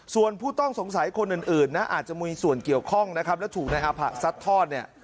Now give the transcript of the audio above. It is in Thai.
ส่วนผู้ต้องสงสัยคนอื่นนะอาจจะมีส่วนเกี่ยวข้องนะครับและถูกนายอาผะซัดทอดเนี่ย